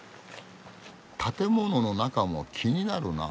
建物の中も気になるなあ。